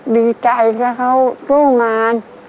ดีใจถ้าเขาสู้งาน